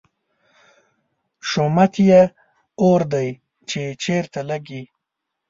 شومت یې اور دی، چې چېرته لګي